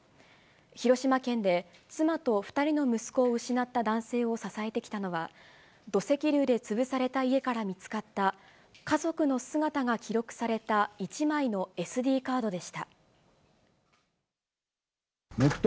広島県で妻と２人の息子を失った男性を支えてきたのは、土石流で潰された家から見つかった、家族の姿が記録された１枚のＳＤカードでした。